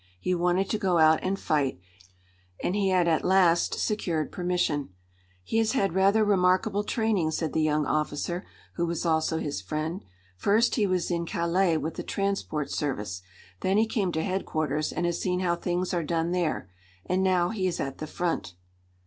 He wanted to go out and fight, and he had at last secured permission. "He has had rather remarkable training," said the young officer, who was also his friend. "First he was in Calais with the transport service. Then he came to headquarters, and has seen how things are done there. And now he is at the front."